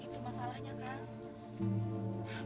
itu masalahnya kak